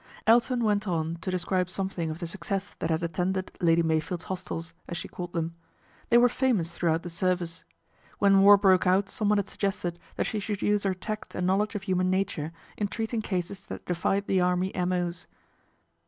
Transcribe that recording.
Elton went on to describe something of the success that had attended Lady Meyfield's hostels, as she called them. They were famous throughout the Service. When war broke out someone had suggested that she should use her tact and know ledge of human nature in treating cases that defied the army M.O.'s.